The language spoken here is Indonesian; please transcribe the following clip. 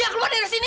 jangan ke klein